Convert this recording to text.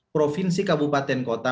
provinsi kabupaten kota